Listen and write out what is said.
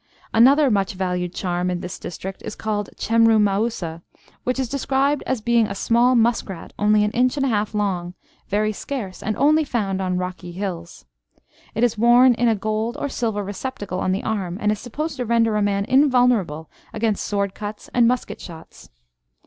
Another much valued charm in this district is called chemru mausa, which is described as being a small musk rat only an inch and a half long, very scarce, and only found on rocky hills. It is worn in a gold or silver receptacle on the arm, and is supposed to render a man invulnerable against sword cuts and musket shots.